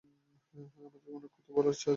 আমাদের অনেক কথা বলার আছে।